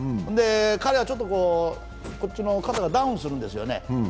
彼はちょっと、こっちの肩がダウンするんですよ。